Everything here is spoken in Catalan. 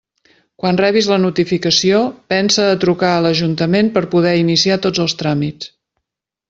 Quan rebis la notificació, pensa a trucar a l'ajuntament per poder iniciar tots els tràmits.